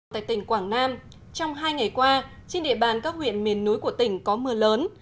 tại tỉnh quảng nam trong hai ngày qua trên địa bàn các huyện miền núi của tỉnh có mưa lớn